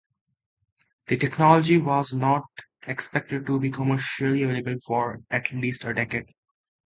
The technology was not expected to be commercially available for at least a decade.